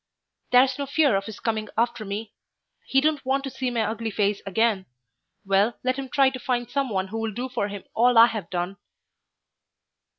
"There's no fear of his coming after me. He don't want to see my ugly face again. Well, let him try to find some one who will do for him all I have done."